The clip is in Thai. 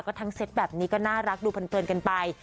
ก็ทั้งเซตแบบนี้ก็น่ารักดูเพลินกันไป